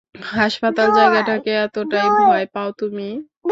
হাসপাতাল জায়গাটাকে এতোটাই ভয় পাও তুমি?